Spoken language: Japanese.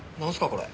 これ。